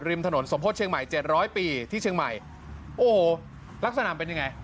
ถนนสมโพธิเชียงใหม่เจ็ดร้อยปีที่เชียงใหม่โอ้โหลักษณะเป็นยังไง